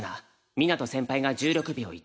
みなと先輩が１６秒１。